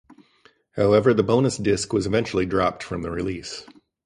However, the bonus disk was eventually dropped from the release.